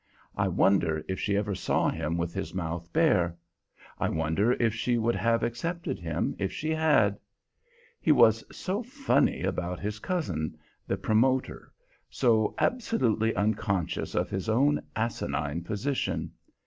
I wonder if she ever saw him with his mouth bare? I wonder if she would have accepted him if she had? He was so funny about his cousin, the promoter; so absolutely unconscious of his own asinine position.